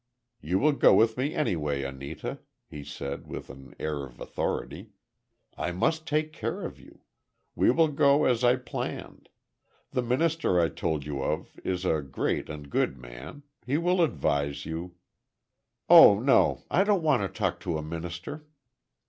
"You will go with me, anyway, Anita," he said, with an air of authority. "I must take care of you. We will go, as I planned. The minister I told you of, is a great and good man, he will advise you—" "Oh, no, I don't want to talk to a minister!"